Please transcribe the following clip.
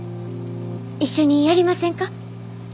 一緒にやりませんか？